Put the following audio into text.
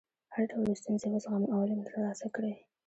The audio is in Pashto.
هر ډول ستونزې وزغمئ او علم ترلاسه کړئ.